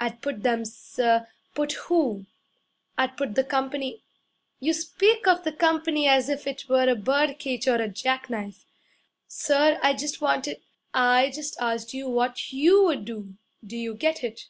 'I'd put them, sir ' 'Put who?' 'I'd put the company ' 'You speak of the company as if it were a bird cage or a jack knife.' 'Sir, I just wanted ' 'I just asked you what YOU would do do you get it?'